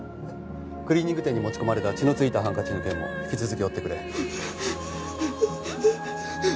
クリーニング店に持ち込まれた血のついたハンカチの件も引き続き追ってくれ。